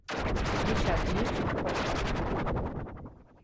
მიჩა დიეშდ ხოქვა: